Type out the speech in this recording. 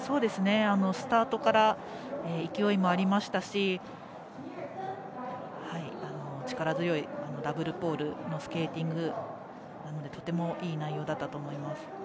スタートから勢いもありましたし力強いダブルポールのスケーティングでとてもいい内容だったと思います。